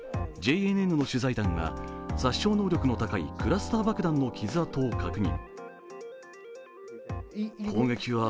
ＪＮＮの取材団は、殺傷能力の高いクラスター爆弾の傷痕を確認。